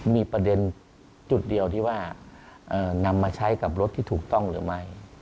มีประเด็นจุดเดียวที่ว่านำมาใช้กับรถที่ถูกต้องหรือไม่